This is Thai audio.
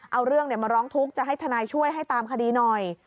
เอาเรื่องมาร้องทุกข์จะให้ทนายช่วยให้ตามคดีหน่อย